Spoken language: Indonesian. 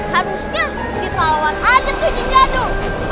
harusnya kita lawan aja tuh jin jadul